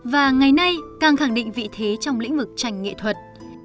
và ngày nay càng khẳng định vị thế trong lĩnh vực tranh nghệ thuật